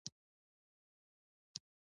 سور رنګ د انرژۍ نښه ده.